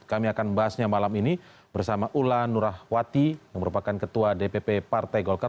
kami akan membahasnya malam ini bersama ula nurahwati yang merupakan ketua dpp partai golkar